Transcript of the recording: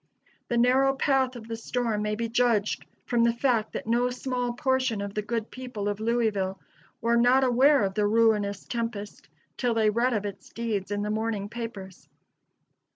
The narrow path of the storm may be judged from the fact that no small portion of the good people of Louisville were not aware of the ruinous tempest till they read of its deeds in the morning papers.